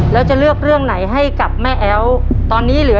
แล้วมาเอล